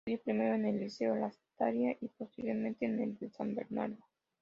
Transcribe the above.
Estudió primero en el Liceo Lastarria y posteriormente en el de San Bernardo.